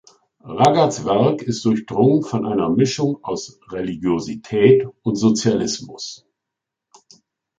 Ragaz’ Werk ist durchdrungen von einer Mischung aus Religiosität und Sozialismus.